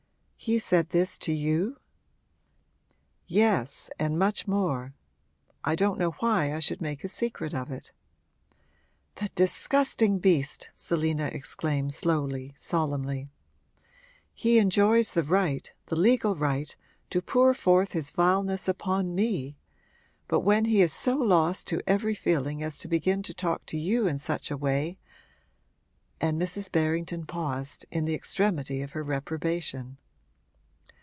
'He said this to you?' 'Yes, and much more I don't know why I should make a secret of it.' 'The disgusting beast!' Selina exclaimed slowly, solemnly. 'He enjoys the right the legal right to pour forth his vileness upon me; but when he is so lost to every feeling as to begin to talk to you in such a way !' And Mrs. Berrington paused, in the extremity of her reprobation.